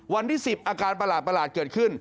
วันที่๑๐อาการประหลาดเกิดขึ้น